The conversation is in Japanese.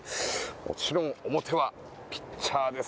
もちろん表はピッチャーです。